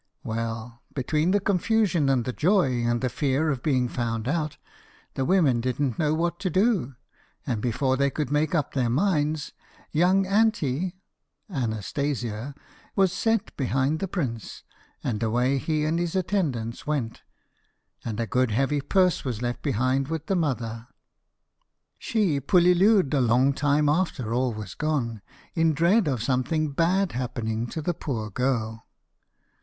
Well, between the confusion, and the joy, and the fear of being found out, the women didn't know what to do; and before they could make up their minds, young Anty (Anastasia) was set behind the prince, and away he and his attendants went, and a good heavy purse was left behind with the mother. She pullillued a long time after all was gone, in dread of something bad happening to the poor girl.